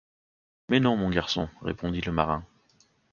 Mais non, mon garçon, répondit le marin.